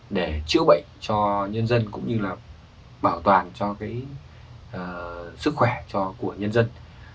để chữa bệnh cho nhân dân cũng như là bảo toàn cho sức khỏe của nhân dân